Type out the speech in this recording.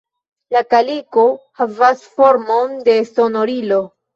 La kaliko havas formon de sonorilo.